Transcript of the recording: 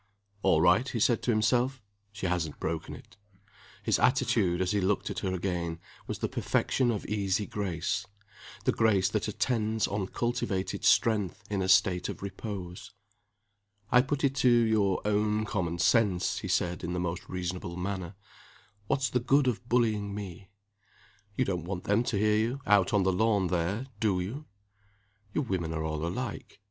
"All right," he said to himself. "She hasn't broken it." His attitude as he looked at her again, was the perfection of easy grace the grace that attends on cultivated strength in a state of repose. "I put it to your own common sense," he said, in the most reasonable manner, "what's the good of bullying me? You don't want them to hear you, out on the lawn there do you? You women are all alike.